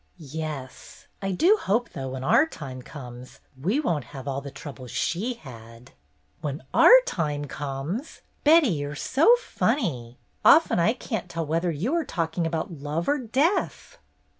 "Yes. I do hope, though, when our time comes, we won't have all the trouble she had." "' When our time comes !' Betty, you 're so funny! Often I can't tell whether you are talking about love or death."